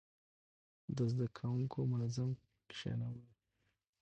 د زده کوونکو منظم کښينول،